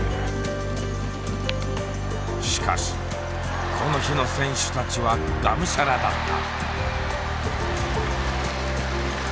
しかしこの日の選手たちはがむしゃらだった。